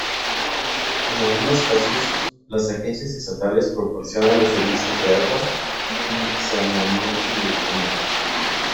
En algunos casos, las agencias estatales proporcionan los servicios de agua y saneamiento directamente.